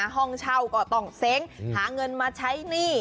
ห้องเช่าก็ต้องเซ้งหาเงินมาใช้หนี้